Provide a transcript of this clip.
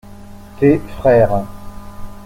Tes frères.